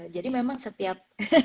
jadi memang setiap